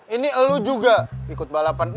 ini elu juga ikut balapan itu